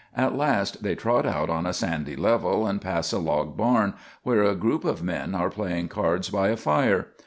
At last they trot out on a sandy level and pass a log barn, where a group of men are playing cards by a fire.